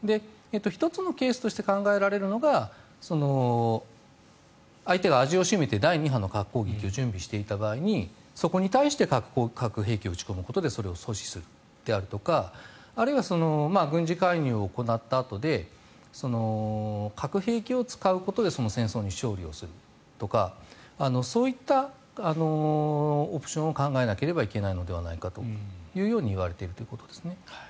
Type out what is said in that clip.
１つのケースとして考えられるのが相手が味を占めて第２波の核攻撃を準備していた場合にそこに対して核兵器を撃ち込むことでそれを阻止するであるとかあるいは軍事介入を行ったあとで核兵器を使うことでその戦争に勝利するとかそういったオプションを考えなければいけないといわれているということです。